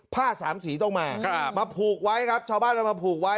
ผ้าสามสีต้องมามาผูกไว้ครับชาวบ้านเอามาผูกไว้